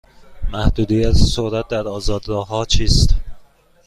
محدودیت سرعت در آزاد راه ها چیست؟